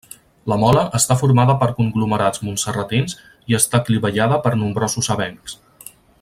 La mola està formada per conglomerats montserratins i està clivellada per nombrosos avencs.